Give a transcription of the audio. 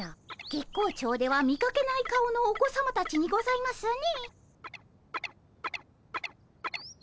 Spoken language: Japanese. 月光町では見かけない顔のお子さまたちにございますね。